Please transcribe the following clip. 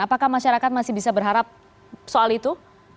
apakah masyarakat masih bisa berharap soal itu